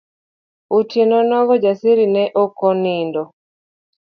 Otieno nogo Kijasiri ne oko nindo.